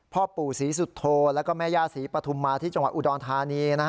พ่อปู่ศรีสุโธแล้วก็แม่ย่าศรีปฐุมมาที่จังหวัดอุดรธานี